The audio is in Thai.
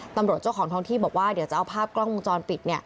ตำรวจเจ้าของท้องที่บอกว่าเดี๋ยวจะเอาภาพกล้องวงจรปิด